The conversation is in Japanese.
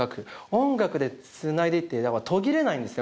音楽でつないでいって途切れないんですね